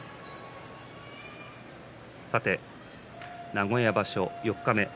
名古屋場所四日目